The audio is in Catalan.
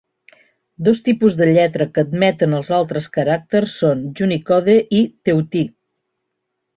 Dos tipus de lletra que admeten els altres caràcters són Junicode i Tehuti.